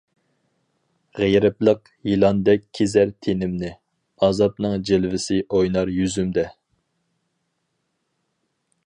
غېرىبلىق يىلاندەك كېزەر تېنىمنى، ئازابنىڭ جىلۋىسى ئوينار يۈزۈمدە.